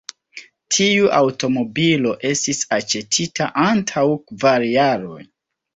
Tiu aŭtomobilo estis aĉetita antaŭ kvar jaroj.